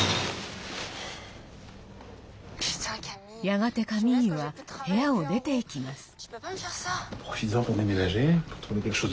やがて、カミーユは部屋を出ていきます。